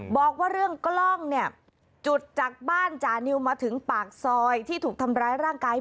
บอกว่าเรื่องกล้องเนี่ยจุดจากบ้านจานิวมาถึงปากซอยที่ถูกทำร้ายร่างกาย